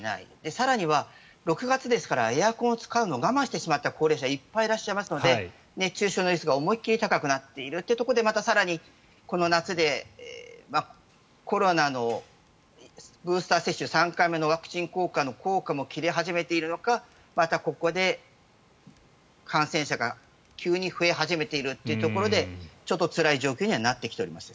更には６月ですからエアコンを使うのを我慢してしまった高齢者の方いっぱいいらっしゃいますので熱中症の率が思い切り高くなっているということでまた更にこの夏でコロナのブースター接種３回目のワクチン接種の効果も切れ始めているのかまたここで感染者が急に増え始めているというところでちょっとつらい状況にはなってきています。